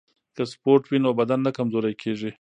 که سپورت وي نو بدن نه کمزوری کیږي.